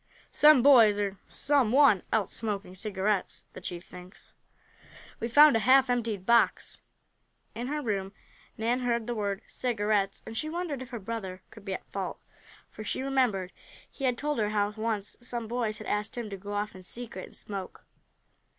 "Some boys or some one else smoking cigarettes, the chief thinks. We found a half emptied box." In her room Nan heard the word "cigarettes" and she wondered if her brother could be at fault, for she remembered he had told her how once some boys had asked him to go off in secret and smoke.